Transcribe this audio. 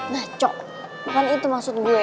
nah cok bukan itu maksud gue